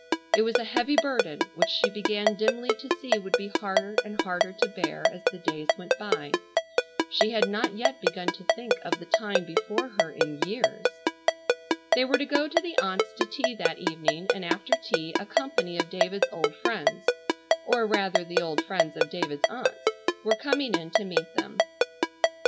It was a heavy burden which she began dimly to see would be harder and harder to bear as the days went by. She had not yet begun to think of the time before her in years. They were to go to the aunts' to tea that evening, and after tea a company of David's old friends—or rather the old friends of David's aunts—were coming in to meet them.